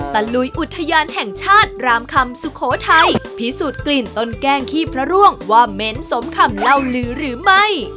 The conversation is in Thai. ลุยอุทยานแห่งชาติรามคำสุโขทัยพิสูจน์กลิ่นต้นแกล้งขี้พระร่วงว่าเม้นสมคำเล่าลือหรือไม่